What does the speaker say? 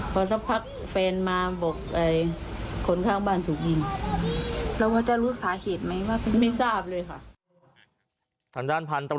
พอสักพักแฟนมาบอกคนข้างบ้านถูกยิง